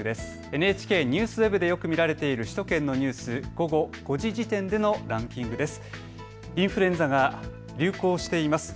ＮＨＫＮＥＷＳＷＥＢでよく見られている首都圏のニュース、午後５時時点でのランキングです。